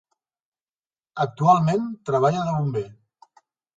Actualment treballa de bomber.